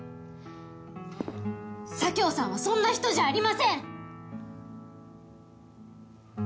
佐京さんはそんな人じゃありません！